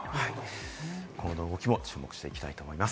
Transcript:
今後の動きも注目していきたいと思います。